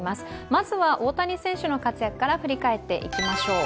まずは、大谷選手の活躍から振り返っていきましょう。